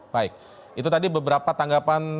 baik itu tadi beberapa tanggapan